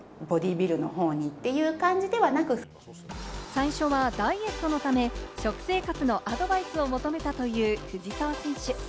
最初はダイエットのため食生活のアドバイスを求めたという藤澤選手。